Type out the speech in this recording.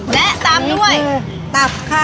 และตามด้วยอันนี้คือตับค่ะ